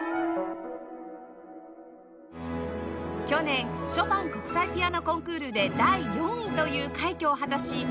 去年ショパン国際ピアノコンクールで第４位という快挙を果たし